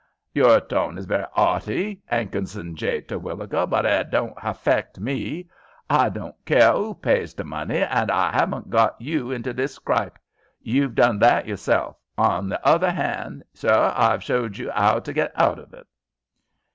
"Your tone is very 'aughty, 'Ankinson J. Terwilliger, but it don't haffeck me. H'I don't care 'oo pys the money, an' h'I 'aven't got you into this scripe. You've done that yourself. Hon the other 'and, sir, h'I've showed you 'ow to get out of it."